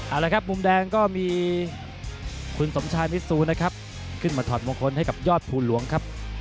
อันนี้มุมแดงก็มีคุณสมชายมิสูขึ้นมาถอดวงคลให้กับยอดภูลวงครับ